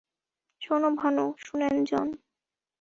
শোনো ভানু - শুনেন, জন।